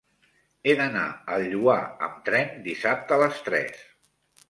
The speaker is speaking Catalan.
He d'anar al Lloar amb tren dissabte a les tres.